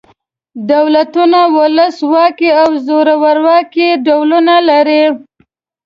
دولتونه ولس واکي او زورواکي ډولونه لري.